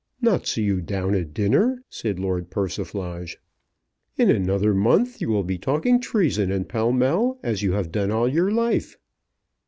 "Not see you down at dinner!" said Lord Persiflage. "In another month you will be talking treason in Pall Mall as you have done all your life."